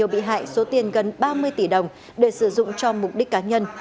bị hại số tiền gần ba mươi tỷ đồng để sử dụng cho mục đích cá nhân